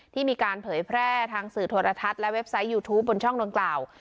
ที่มีการเผยแพร่ทางสื่อโทรทัศน์และเว็บไซต์ยูทูปบนช่องดังกล่าว